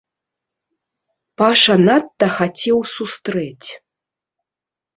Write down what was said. Паша надта хацеў сустрэць.